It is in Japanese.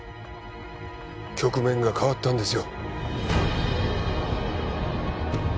局面が変わったんですよ